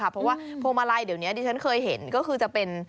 เพราะว่าพวงมาลัยเดี๋ยวนี้ที่ฉันเคยเห็นก็คือจะเป็น